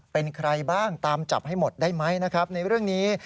เป็นใครบ้างตามจับให้หมดได้ไหมนะครับในเรื่องนี้